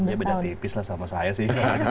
ya beda tipis lah sama saya sih